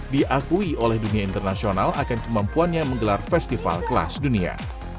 diakui oleh dunia internasional akan kemampuannya menggelar festival kelas dunia